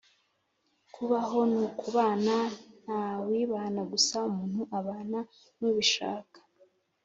kubaho nukubana ntawibana gusa umuntu abana nubishaka